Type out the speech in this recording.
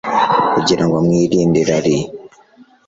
kugira ngo mwirinde irari